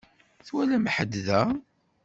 Twalam ḥedd da?